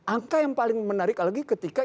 angka yang paling menarik lagi ketika